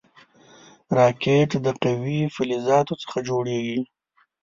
راکټ د قوي فلزاتو څخه جوړېږي